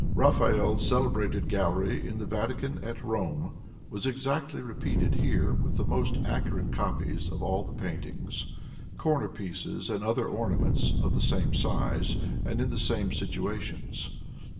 Raphael's celebrated gallery in the Vatican at Rome was exactly repeated here with the most accurate copies of all the paintings, corner pieces and other ornaments of the same size and in the same situations.